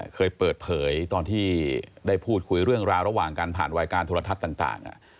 เคยเปิดเผยตอนที่ได้พูดคุยเรื่องราวระหว่างการผ่านรายการโทรทัศน์ต่าง